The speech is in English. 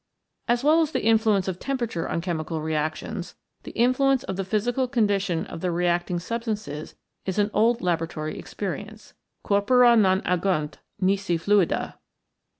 As well as the influence of temperature on chemical reactions, the influence of the physical condition of the reacting substances is an old laboratory experience : Corpora non agunt nisi fluida.